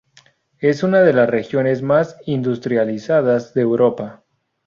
Es una de las regiones más industrializadas de Europa.